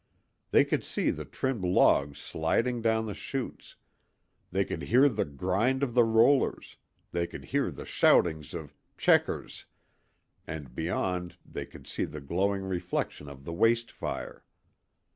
They could see the trimmed logs sliding down the shoots, they could hear the grind of the rollers, they could hear the shoutings of "checkers"; and beyond they could see the glowing reflection of the waste fire.